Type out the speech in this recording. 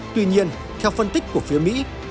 tuy nhiên theo phân tích của phía mỹ